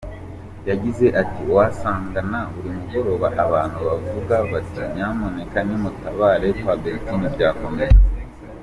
Yagize ati “Wasangana buri mugoroba abantu bavuga bati nyamuneka nimutabare kwa Bertin byakomeye.